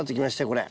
これ。